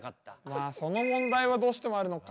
まあその問題はどうしてもあるのか。